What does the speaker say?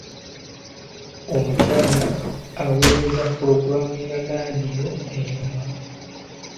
Omukyala awerezza pulogulamu ya laadiyo enyuma.